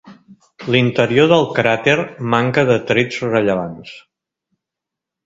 L'interior del cràter manca de trets rellevants.